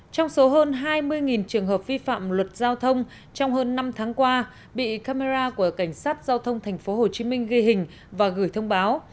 trong số hơn hai mươi trường hợp vi phạm luật giao thông trong hơn năm tháng qua bị camera của cảnh sát giao thông tp hcm ghi hình và gửi thông báo